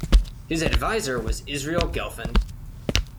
His adviser was Israel Gelfand.